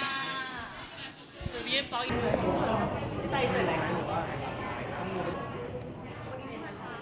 ขอบคุณค่ะ